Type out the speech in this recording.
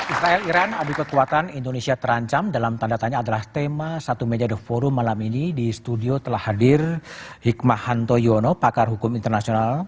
israel iran adu kekuatan indonesia terancam dalam tanda tanya adalah tema satu media the forum malam ini di studio telah hadir hikmahanto yono pakar hukum internasional